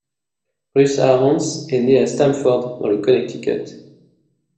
Ruth Aarons est née à Stamford, dans le Connecticut.